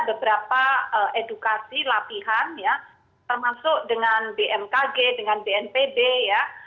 beberapa edukasi latihan ya termasuk dengan bmkg dengan bnpb ya